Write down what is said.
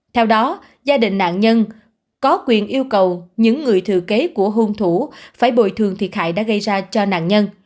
theo đó gia đình nạn nhân có quyền yêu cầu những người thừa kế của hung thủ phải bồi thường thiệt hại đã gây ra cho nạn nhân